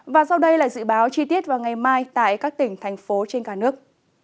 và sau đây là dự báo chi tiết vào ngày mai tại các tỉnh thành phố trên cả nước